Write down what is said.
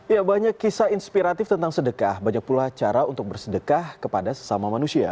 ya banyak kisah inspiratif tentang sedekah banyak pula cara untuk bersedekah kepada sesama manusia